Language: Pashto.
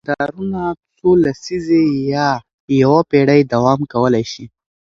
مدارونه څو لسیزې یا یوه پېړۍ دوام کولی شي.